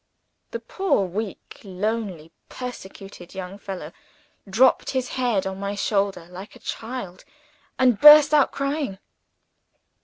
The poor, weak, lonely, persecuted young fellow dropped his head on my shoulder like a child, and burst out crying.